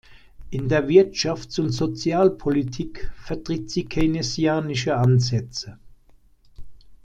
In der Wirtschafts- und Sozialpolitik vertritt sie keynesianische Ansätze.